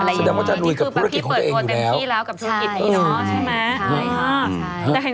พี่เปิดตัวเต็มที่แล้วกับธุรกิจใช่ไหม